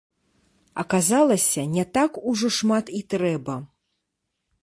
Аказалася, не так ужо шмат і трэба.